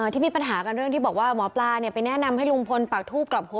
ที่มีปัญหากันเรื่องที่บอกว่าหมอปลาไปแนะนำให้ลุงพลปากทูบกลับหัว